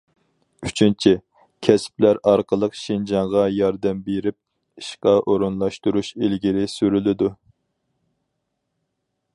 ئۈچىنچى، كەسىپلەر ئارقىلىق شىنجاڭغا ياردەم بېرىپ، ئىشقا ئورۇنلاشتۇرۇش ئىلگىرى سۈرۈلىدۇ.